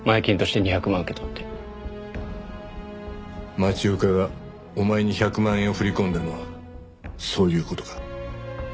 町岡がお前に１００万円を振り込んだのはそういう事か。